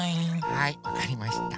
はいわかりました。